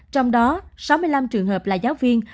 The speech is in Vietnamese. trong đó sáu mươi năm trường hợp là giáo viên